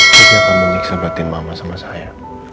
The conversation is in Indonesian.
dia akan meniksa batin mama sama saya